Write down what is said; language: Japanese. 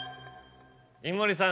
井森さん